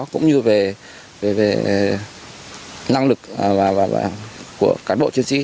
cũng như về năng lực và của cán bộ chiến sĩ